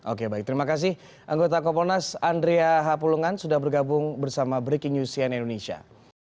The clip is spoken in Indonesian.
oke baik terima kasih anggota kompolnas andrea hapulungan sudah bergabung bersama breaking news cnn indonesia